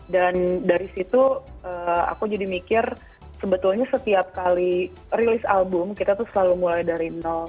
dan dari situ aku jadi mikir sebetulnya setiap kali rilis album kita tuh selalu mulai dari nol